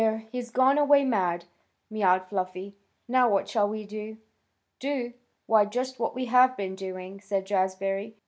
He's gone away mad," mewed Fluffy. "Now what shall we do?" "Do! Why just what we have been doing," said Jazbury.